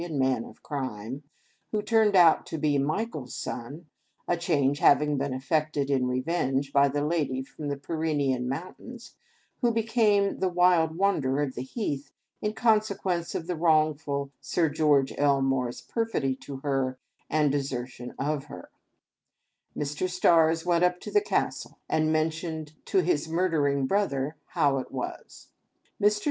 165 and Man of Crime, who turned out to be Michael's son (a change having been effected, in revenge, by the lady from the Pyrenean Mountains, who became the Wild Wanderer of the Heath, in consequence of the wrongful Sir George Elmore's perfidy to her and desertion of her), Mr. Stars went up to the Castle, and mentioned to his murdering brother how it was. Mr.